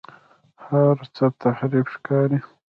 هر هڅه تحریف ښکاري.